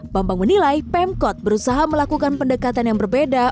bambang menilai pemkot berusaha melakukan pendekatan yang berbeda